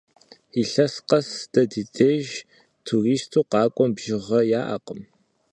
Илъэс къэс дэ ди деж туристу къакӀуэм бжыгъэ яӀэкъым.